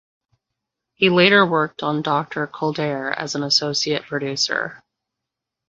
He later worked on "Doctor Kildare" as an associate producer.